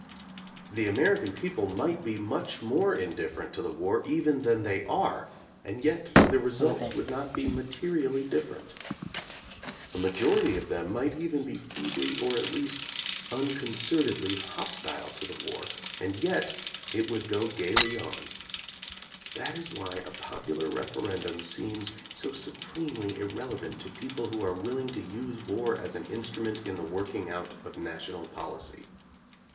The American people might be much more indifferent to the war even than they are and yet the results would not be materially different. A majority of them might even be feebly or at least unconcert edly hostile to the war, and yet it would go gaily on. That is why a popular referendum seems so supremely irrelevant to people who are willing to use war as an instrument in the working out of national policy.